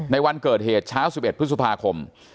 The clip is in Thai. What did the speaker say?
ในวันเกิดเหตุเช้าสิบเอ็ดพฤษภาคม